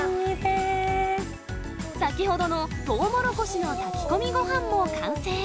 先ほどのトウモロコシの炊き込みごはんも完成。